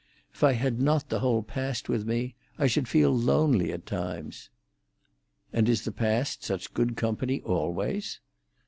If I had not the whole past with me, I should feel lonely at times." "And is the past such good company always?".